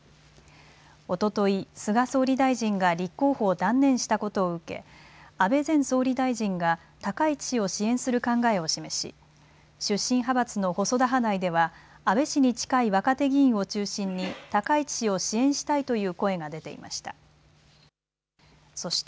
おととい菅総理大臣が立候補を断念したことを受け安倍前総理大臣が高市氏を支援する考えを示し出身派閥の細田派内では安倍氏に近い若手議員を中心に高市氏を支援したいという声が出ていました。